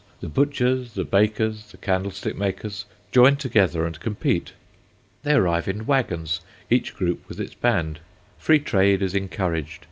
The butchers, the bakers, the candlestick makers, join together and compete. They arrive in wagons, each group with its band. Free trade is encouraged.